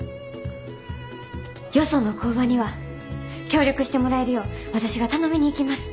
よその工場には協力してもらえるよう私が頼みに行きます。